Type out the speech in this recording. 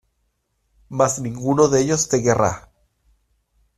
Mas ninguno de ellos te querrá